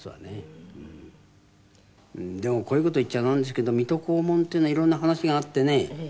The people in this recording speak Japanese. でもこういう事言っちゃなんですけど『水戸黄門』っていうのは色んな話があってね。